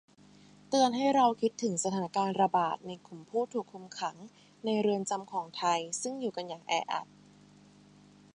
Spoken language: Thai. เตือนให้เราคิดถึงสถานการณ์ระบาดในกลุ่มผู้ถูกคุมขังในเรือนจำของไทย ซึ่งอยู่กันอย่างแออัด